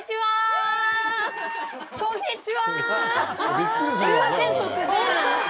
わこんにちは！